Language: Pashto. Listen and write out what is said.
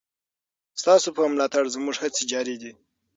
ستاسو په ملاتړ زموږ هڅې جاري دي.